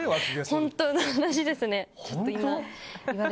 本当の話ですね。